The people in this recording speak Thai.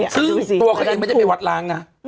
ซึ่งตัวเขาเองไม่ได้ไปวัดล้างนะ